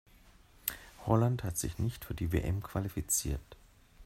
Holland hat sich nicht für die WM qualifiziert.